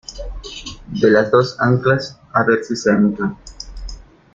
de las dos anclas, a ver si se anclan.